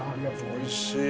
おいしい。